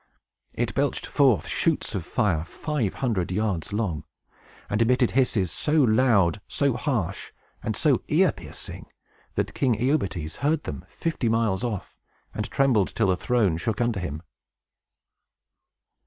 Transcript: It belched forth shoots of fire five hundred yards long, and emitted hisses so loud, so harsh, and so ear piercing, that King Iobates heard them, fifty miles off, and trembled till the throne shook under him.